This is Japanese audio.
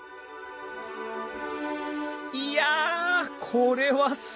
いやこれはすごい。